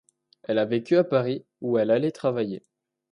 Elle a vécu à Paris ou elle allez travaillée.